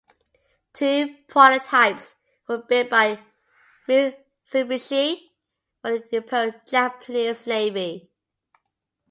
Two prototypes were built by Mitsubishi for the Imperial Japanese Navy.